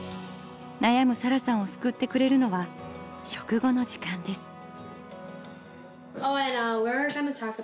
なやむサラさんを救ってくれるのは食後の時間です。